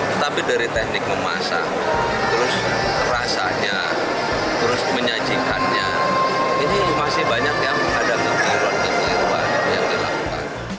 tetapi dari teknik memasak terus rasanya terus menyajikannya ini masih banyak yang ada kekeluaran kekeliruan yang dilakukan